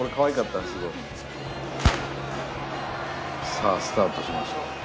さあスタートしました。